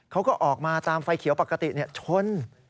เขาก็ออกมาตามไฟเขียวปกติชน